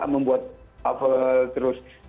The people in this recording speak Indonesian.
membuat hafal terus